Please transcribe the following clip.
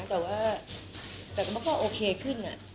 แต่มันก็โอเคขึ้นน่ะ